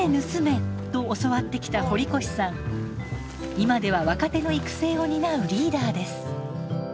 今では若手の育成を担うリーダーです。